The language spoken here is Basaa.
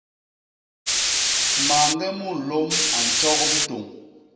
Mañge munlôm a ntjôk bitôñ.